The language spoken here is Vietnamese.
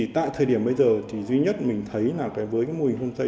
tại thời điểm bây giờ duy nhất mình thấy với mô hình homestay